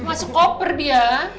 masuk koper dia